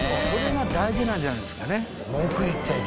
それが大事なんじゃないですかね。